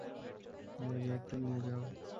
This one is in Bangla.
আরে ব্যাগ তো নিয়ে যাও!